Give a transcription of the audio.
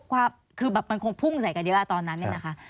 คือแบบมันคงพุ่งใส่กันเยอะละตอนนั้นเลยนะคะ